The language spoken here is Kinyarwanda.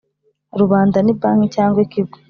rubanda ni banki cyangwa ikigo